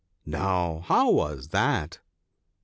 ' No ! how was that ?